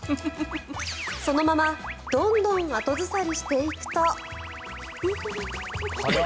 そのままどんどん後ずさりしていくと。